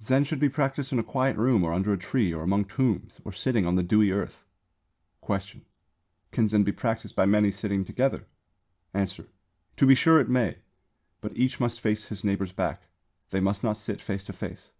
Zen should be practised in a quiet room or under a tree or among tombs or sitting on the dewy earth. Question. Can Zen be practised by many sitting together? Answer. To be sure it may; but each must face his neighbour's back. They must not sit face to face.